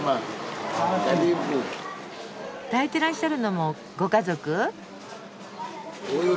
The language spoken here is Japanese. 抱いてらっしゃるのもご家族？